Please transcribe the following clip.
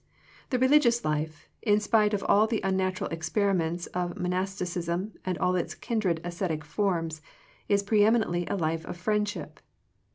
The religious life, in spite of all the un natural experiments of monasticism and all its kindred ascetic forms, is preemi nently a life of friendship.